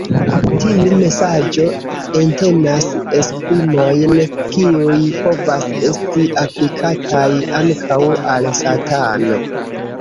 Tiu mesaĝo entenas esprimojn kiuj povas esti aplikataj ankaŭ al Satano.